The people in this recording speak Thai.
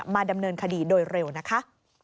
ดำเนินคดีโดยเร็วนะคะ